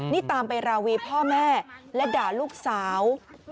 นี่ตามไปราวีพ่อแม่และด่าลูกสาว